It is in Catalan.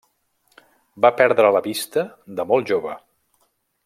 Va perdre la vista de molt jove.